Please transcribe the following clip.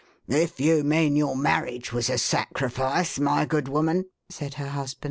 " If you mean your marriage was a sacrifice, my good woman —" said her husband.